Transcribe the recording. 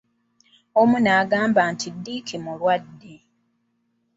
Omu n'agamba nti Dick mulwadde.